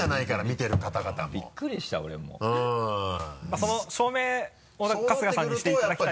その証明を春日さんにしていただきたいなと。